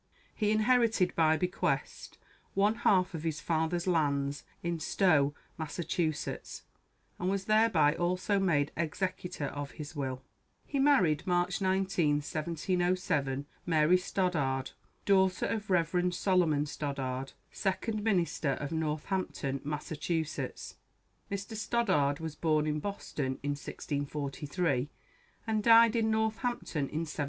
He inherited by bequest one half of his father's lands in Stow, Massachusetts, and was thereby also made executor of his will. He married, March 19, 1707, Mary Stoddard, daughter of Rev. Solomon Stoddard, second minister of Northampton, Massachusetts. Mr. Stoddard was born in Boston in 1643, and died in Northampton in 1729.